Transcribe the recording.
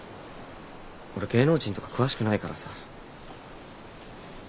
俺芸能人とか詳しくないからさ。